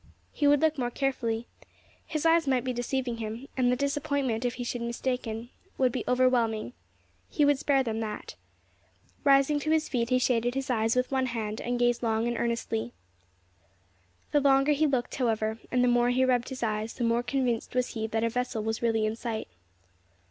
He would look more carefully. His eyes might be deceiving him, and the disappointment, if he should be mistaken, would be overwhelming. He would spare them that. Rising to his feet he shaded his eyes with one hand, and gazed long and earnestly. The longer he looked, however, and the more he rubbed his eyes, the more convinced was he that a vessel was really in sight.